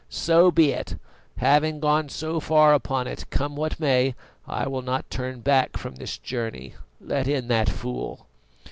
So be it: having gone so far upon it, come what may, I will not turn back from this journey. Let in that fool!"